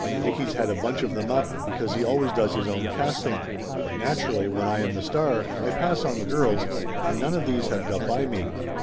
Nicky's had a bunch of them up, because he always does his own casting. But nat urally, when I am the star, I pass on the girls, and none Laughter Limited 161 of these have got by me.